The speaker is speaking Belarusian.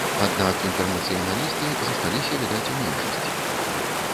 Аднак інтэрнацыяналісты засталіся, відаць, у меншасці.